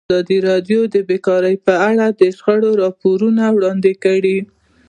ازادي راډیو د بیکاري په اړه د شخړو راپورونه وړاندې کړي.